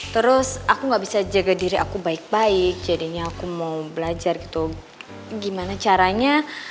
terus aku gak bisa jaga diri aku baik baik jadinya aku mau belajar gitu gimana caranya